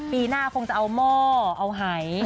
ปีหน้าคงจะเอาหม้อเอาหาย